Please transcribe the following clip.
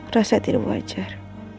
rasa tidak wajar